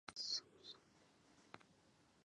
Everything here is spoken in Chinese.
有足够的气候资源供农作物生长。